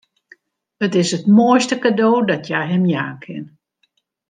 It is it moaiste kado dat hja him jaan kin.